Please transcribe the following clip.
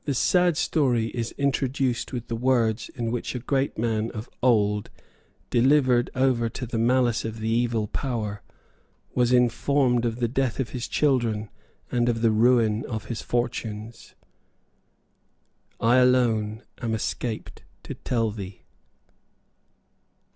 The sad story is introduced with the words in which a great man of old, delivered over to the malice of the Evil Power, was informed of the death of his children and of the ruin of his fortunes: "I alone am escaped to tell thee."